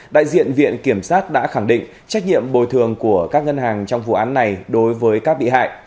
đại diện viện kiểm sát đã khẳng định trách nhiệm bồi thường của các ngân hàng trong vụ án này đối với các bị hại